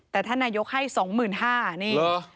แต่ท่านนายกให้๒๕๐๐บาทนี่